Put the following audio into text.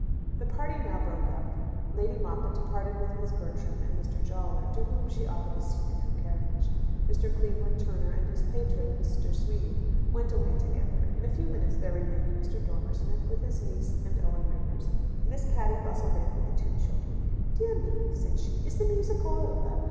The party now broke up. Lady Moppett departed with Miss Bertram and Mr. Jawler, to whom she offered a seat in her carriage. Mr. Cleveland Turner and his patron, Mr. Sweeting, went away together. In a few minutes there remained Mr. Dormer Smith, with his niece, and Owen Rivers. Miss Patty bustled in with the two children. "Dear me," said she. "Is the music all over?